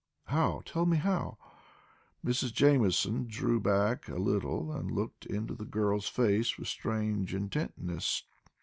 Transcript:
"How tell me how?" Mrs. Jamieson drew back a little and looked into the girl's face with strange intentness.